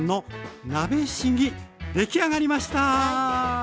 出来上がりました。